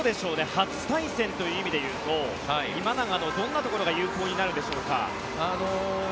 初対戦という意味で言うと今永のどんなところが有効になるでしょうか。